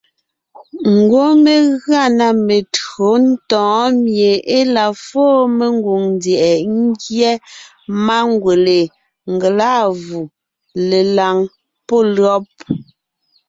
Ngwɔ́ mé gʉa na metÿǒ ntɔ̌ɔn mie e la fóo mengwòŋ ndyɛ̀ʼɛ ngyɛ́ mangwèle, ngelâvù, lelàŋ pɔ́ lÿɔ́b.